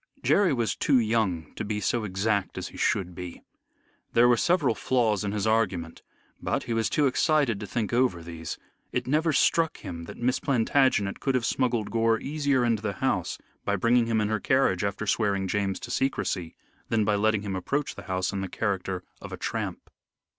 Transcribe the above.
Jerry was too young to be so exact as he should be. There were several flaws in his argument. But he was too excited to think over these. It never struck him that Miss Plantagenet could have smuggled Gore easier into the house by bringing him in her carriage after swearing James to secrecy, than by letting him approach the house in the character of a tramp.